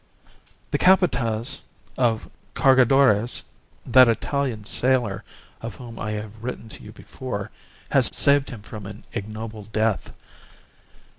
"The Capataz of Cargadores, that Italian sailor of whom I have written to you before, has saved him from an ignoble death.